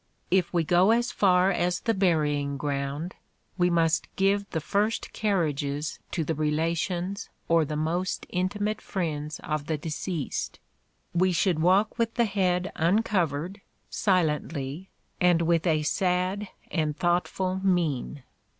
If we go as far as the burying ground, we must give the first carriages to the relations or most intimate friends of the deceased. We should walk with the head uncovered, silently, and with a sad and thoughtful mien.